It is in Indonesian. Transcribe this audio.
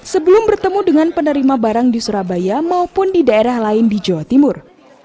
sebelum bertemu dengan penerima barang di surabaya maupun di daerah lain di jawa timur